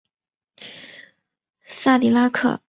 萨迪拉克。